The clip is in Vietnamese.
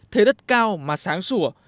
thế đất cao mà sáng sủa